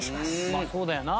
まあそうだよな。